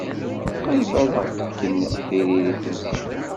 Qrib ad aɣ-d-fken tiririt-nsen.